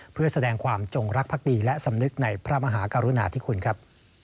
เพื่อแสดงความจงรักภักดีและสำนึกในพระมหากรุณาธิคุณครับ